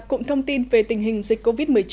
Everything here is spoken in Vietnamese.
cụng thông tin về tình hình dịch covid một mươi chín